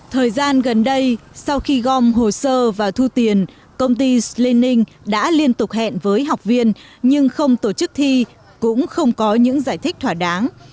thời gian gần đây sau khi gom hồ sơ và thu tiền công ty slening đã liên tục hẹn với học viên nhưng không tổ chức thi cũng không có những giải thích thỏa đáng